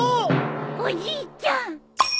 おじいちゃん。